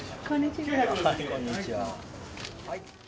はい、こんにちは。